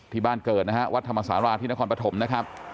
ที่บ้านเกิดนะฮะวัดธรรมศาลาที่นครปฐมนะครับ